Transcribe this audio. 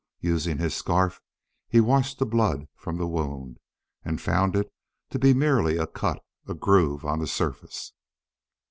Using his scarf, he washed the blood from the wound, and found it to be merely a cut, a groove, on the surface.